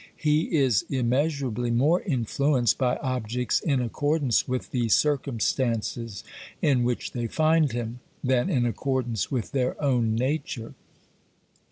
He is immeasurably more influenced by objects in accordance with the circumstances in which they find him, than in accordance with their own nature.